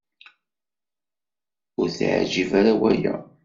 Ur t-iɛejjeb ara waya.